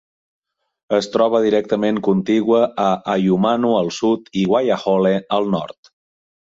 Es troba directament contigua a Ahuimanu al sud i Waiahole al nord.